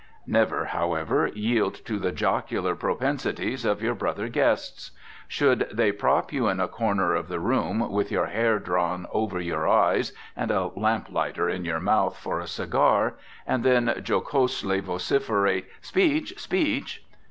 Never, however, yield to the jocular propensities of your brother guests. Should they prop you in a corner of the room, with your hair drawn over your eyes and a lamplighter in your mouth for a cigar, and then jocosely vociferate "Speech! speech!"